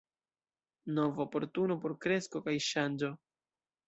Nova oportuno por kresko kaj ŝanĝo.